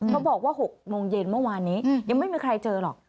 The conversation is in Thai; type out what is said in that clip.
บอกว่า๖โมงเย็นเมื่อวานนี้ยังไม่มีใครเจอหรอก